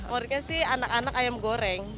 uniknya sih anak anak ayam goreng